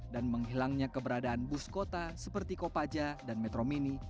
dan menghilangnya keberadaan bus kota seperti kopaja dan metro mini